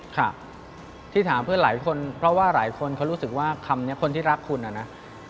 ค่ะที่ถามเพื่อนหลายคนเพราะว่าหลายคนเขารู้สึกว่าคำนี้คนที่รักคุณน่ะนะ